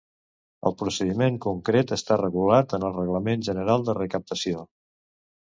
El procediment concret està regulat en el Reglament general de recaptació.